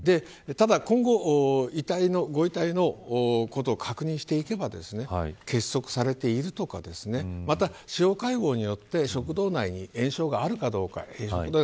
ただ今後ご遺体のことを確認していけば結束されているとかまた司法解剖によって食道内に炎症があるかどうか。